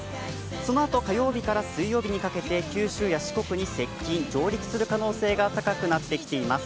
そのあと火曜日から水曜日にかけて、九州や四国に接近、上陸する可能性が高くなってきています。